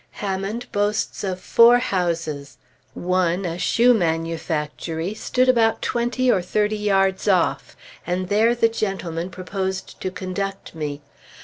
Hammond boasts of four houses. One, a shoe manufactory, stood about twenty or thirty yards off, and there the gentleman proposed to conduct me.